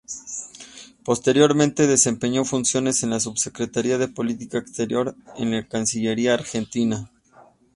Posteriormente, desempeñó funciones en la Subsecretaría de Política Exterior de la Cancillería Argentina.